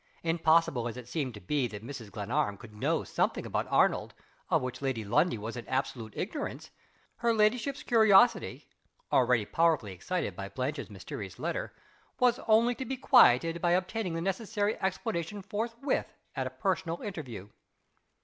Impossible as it seemed to be that Mrs. Glenarm could know something about Arnold of which Lady Lundie was in absolute ignorance, her ladyship's curiosity (already powerfully excited by Blanche's mysterious letter) was only to be quieted by obtaining the necessary explanation forthwith, at a personal interview.